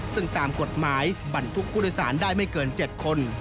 ซึ่งตามกฎหมายบรรทุกผู้โดยสารได้ไม่เกิน๗คน